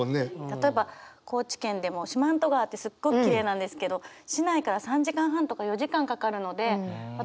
例えば高知県でも四万十川ってすっごくきれいなんですけど市内から３時間半とか４時間かかるので私